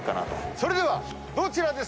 それではどちらですか？